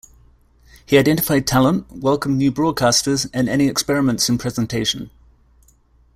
He identified talent, welcomed new broadcasters and any experiments in presentation.